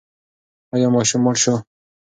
ایا ماشوم مړ شو؟